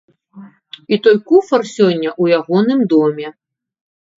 І той куфар сёння ў ягоным доме.